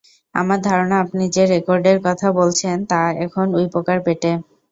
আমার ধারণা আপনি যে- রেকর্ডের কথা বলছেন তা এখন উই পোকার পেটে।